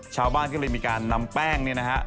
ชาวบ้านก็เลยมีการนำแป้งเนี่ยนะฮะ